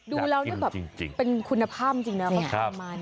ดูเรานี่แบบเป็นคุณภาพจริงเนี่ย